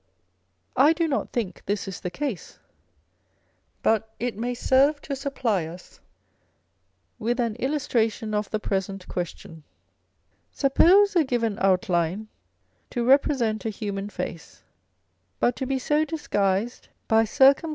I do not think this is the case ; but it may serve to supply us with an illustra tion of the present question. Suppose a given outline to represent a human face, but to be so disguised by circum On a Portrait faj Vandyke.